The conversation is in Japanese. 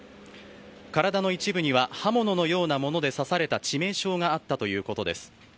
体の一部には刃物のようなもので刺された致命傷があったということです。